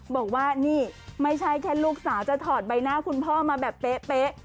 บอกว่านี่ไม่ใช่แค่ลูกสาวจะถอดใบหน้าคุณพ่อมาแบบเป๊ะ